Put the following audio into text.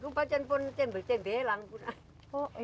ini panggilan yang sebelumnya sudah ada